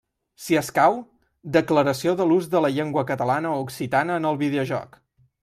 Si escau, declaració de l'ús de la llengua catalana o occitana en el videojoc.